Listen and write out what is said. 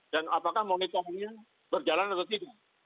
dan apakah monitornya berjalan atau tidak